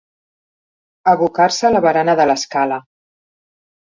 Abocar-se a la barana de l'escala.